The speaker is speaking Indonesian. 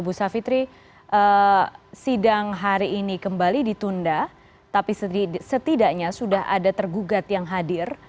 bu savitri sidang hari ini kembali ditunda tapi setidaknya sudah ada tergugat yang hadir